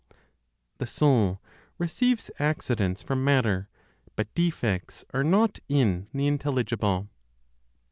THE SOUL RECEIVES ACCIDENTS FROM MATTER, BUT DEFECTS ARE NOT IN THE INTELLIGIBLE.